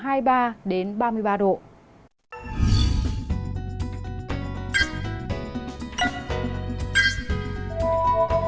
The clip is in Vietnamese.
hãy đăng ký kênh để ủng hộ kênh mình nhé